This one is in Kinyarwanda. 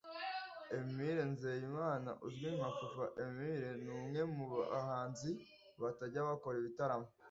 Emile Nzeyimana uzwi nka Papa Emile ni umwe mu bahanzi batajya bakora ibitaramo